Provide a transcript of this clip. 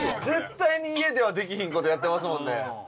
絶対に家ではできひん事やってますもんね。